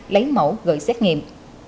lấy mẫu gợi xét nghiệm